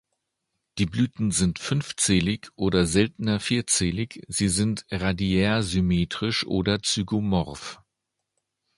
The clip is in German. Die Blüten sind fünfzählig oder seltener vierzählig, sie sind radiärsymmetrisch oder zygomorph.